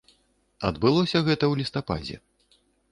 Адбылося гэта ў лістападзе.